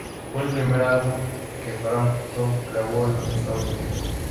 Fue el primer álbum que Frampton grabó en los Estados Unidos.